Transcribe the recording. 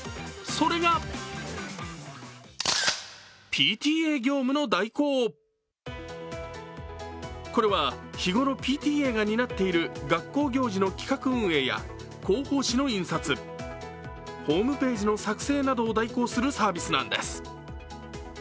それがこれは、日頃、ＰＴＡが担っている学校行事の企画運営や広報誌の印刷、ホームページの作成などを代行するサービスなんです。